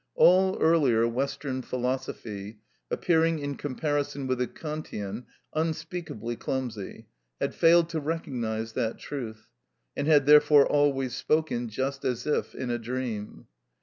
All earlier Western philosophy, appearing in comparison with the Kantian unspeakably clumsy, had failed to recognise that truth, and had therefore always spoken just as if in a dream.